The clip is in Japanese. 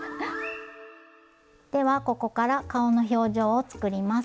ではここから顔の表情を作ります。